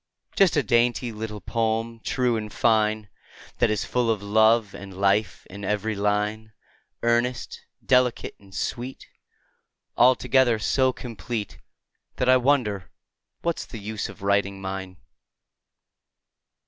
Just a dainty little poem, true and fine, That is full of love and life in every line, Earnest, delicate, and sweet, Altogether so complete That I wonder what's the use of writing mine.